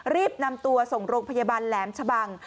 รีบนำตัวส่งโรงพยาบาลแหลมชะบัง